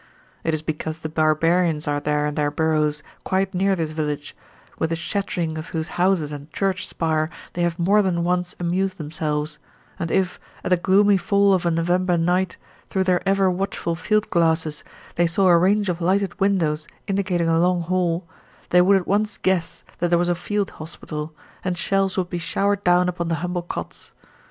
It is because the barbarians are there in their burrows, quite near this village, with the shattering of whose houses and church spire they have more than once amused themselves; and if, at the gloomy fall of a November night, through their ever watchful field glasses, they saw a range of lighted windows indicating a long hall, they would at once guess that there was a field hospital, and shells would be showered down upon the humble cots.